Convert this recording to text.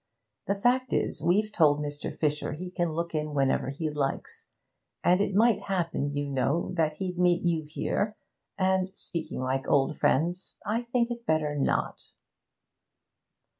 The fact is, we've told Mr. Fisher he can look in whenever he likes, and it might happen, you know, that he'd meet you here, and, speaking like old friends I think it better not.'